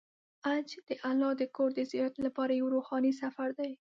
حج د الله د کور د زیارت لپاره یو روحاني سفر دی.